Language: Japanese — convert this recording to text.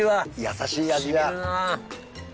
優しい味だ。